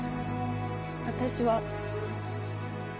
私は。